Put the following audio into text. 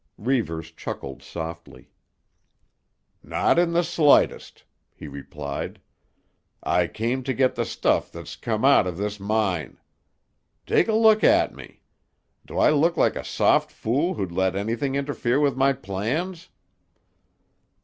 Reivers chuckled softly. "Not in the slightest," he replied. "I came to get the stuff that's come out of this mine. Take a look at me. Do I look like a soft fool who'd let anything interfere with my plans?"